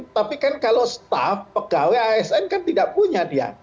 tapi kan kalau staf pegawai asn kan tidak punya dia